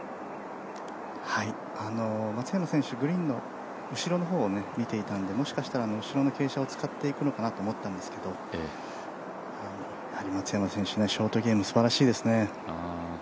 松山選手、グリーンの後ろの方を見ていたので、もしかしたら後ろの傾斜を使っていくのかなと思ったんですけどやはり松山選手、ショートゲームすばらしいですね。